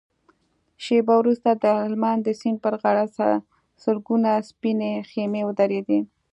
شېبه وروسته د هلمند د سيند پر غاړه سلګونه سپينې خيمې ودرېدې.